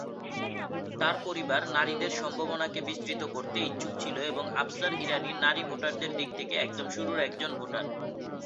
তাঁর পরিবার নারীদের সম্ভাবনাকে বিস্তৃত করতে ইচ্ছুক ছিল এবং আফসার ইরানী নারী ভোটারদের দিক থেকে একদম শুরুর একজন ভোটার।